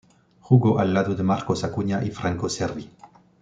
Jugó al lado de Marcos Acuña y Franco Cervi.